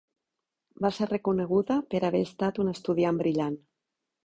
Va ser reconeguda per haver estat una estudiant brillant.